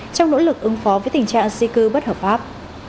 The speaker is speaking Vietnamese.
trong nỗ lực ứng phó với tình trạng di cư bất hợp pháp